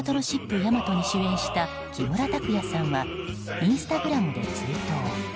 ヤマト」に主演した木村拓哉さんはインスタグラムで追悼。